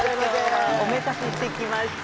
今日はおめかししてきました。